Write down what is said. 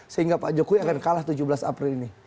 sehingga pak jokowi akan kalah tujuh belas april ini